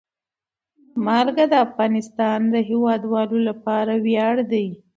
نمک د افغانستان د هیوادوالو لپاره ویاړ دی.